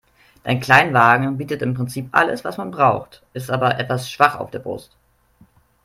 Dein Kleinwagen bietet im Prinzip alles, was man braucht, ist aber etwas schwach auf der Brust.